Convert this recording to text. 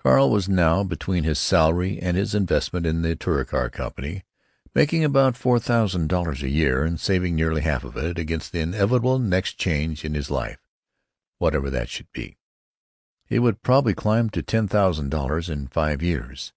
Carl was now, between his salary and his investment in the Touricar Company, making about four thousand dollars a year, and saving nearly half of it, against the inevitable next change in his life, whatever that should be. He would probably climb to ten thousand dollars in five years.